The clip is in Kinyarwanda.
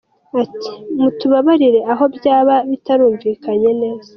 Ati “Mutubabarire aho byaba bitarumvikanye neza.